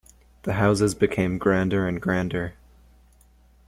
The houses became grander and grander.